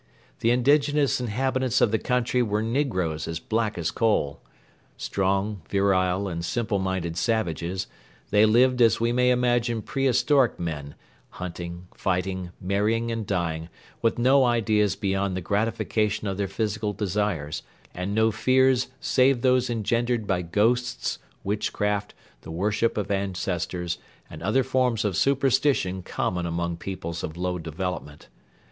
The indigenous inhabitants of the country were negroes as black as coal. Strong, virile, and simple minded savages, they lived as we may imagine prehistoric men hunting, fighting, marrying, and dying, with no ideas beyond the gratification of their physical desires, and no fears save those engendered by ghosts, witchcraft, the worship of ancestors, and other forms of superstition common among peoples of low development.